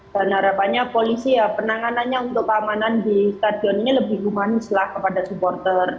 dan harapannya polisi ya penanganannya untuk keamanan di stadion ini lebih humanis lah kepada supporter